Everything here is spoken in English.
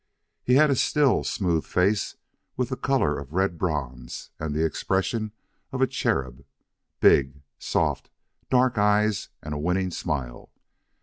He had a still, smooth face, with the color of red bronze and the expression of a cherub; big, soft, dark eyes; and a winning smile.